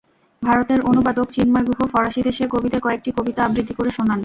ভারতের অনুবাদক চিন্ময় গুহ ফরাসি দেশের কবিদের কয়েকটি কবিতা আবৃত্তি করে শোনান।